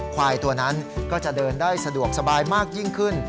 ควายตัวนั้นก็จะเดินได้สะดวกสบายมากยิ่งขึ้น